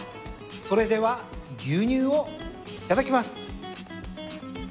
それでは牛乳をいただきます。